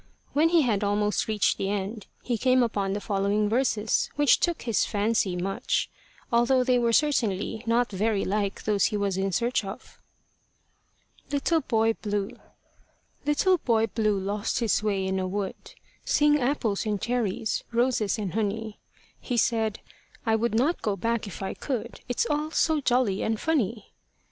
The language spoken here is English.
When he had almost reached the end, he came upon the following verses, which took his fancy much, although they were certainly not very like those he was in search of. LITTLE BOY BLUE Little Boy Blue lost his way in a wood. Sing apples and cherries, roses and honey; He said, "I would not go back if I could, It's all so jolly and funny."